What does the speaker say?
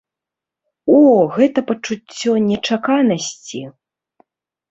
О, гэта пачуццё нечаканасці!